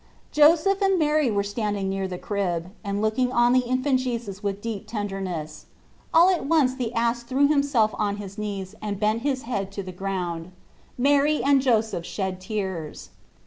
Joseph and Mary were standing near the crib, and looking on the Infant Jesus with deep tenderness. All at once the ass threw himself on his knees and bent his head to the ground. Mary and Joseph shed tears.